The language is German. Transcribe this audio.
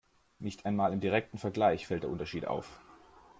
Nicht einmal im direkten Vergleich fällt der Unterschied auf.